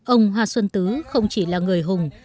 ông hoa xuân tứ không chỉ là người hùng